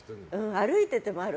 歩いててもある。